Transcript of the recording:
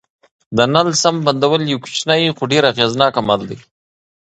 د نل سم بندول یو کوچنی خو ډېر اغېزناک عمل دی.